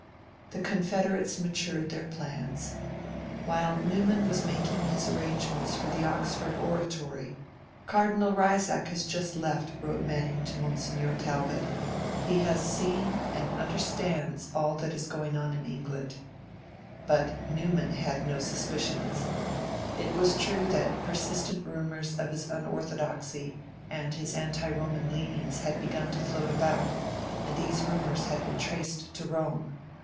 The confederates matured their plans. While Newman was making his arrangements for the Oxford Oratory, Cardinal Reisach visited London. 'Cardinal Reisach has just left,' wrote Manning to Monsignor Talbot: 'he has seen and understands all that is going on in England.' But Newman had no suspicions. It was true that persistent rumours of his unorthodoxy and his anti Roman leanings had begun to float about, and these rumours had been traced to Rome.